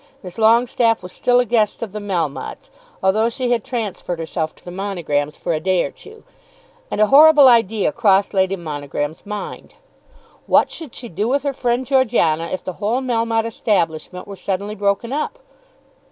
Miss Longestaffe was still a guest of the Melmottes, although she had transferred herself to the Monograms for a day or two. And a horrible idea crossed Lady Monogram's mind. What should she do with her friend Georgiana if the whole Melmotte establishment were suddenly broken up?